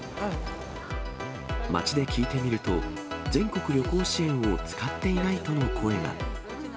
街で聞いてみると、全国旅行支援を使っていないとの声が。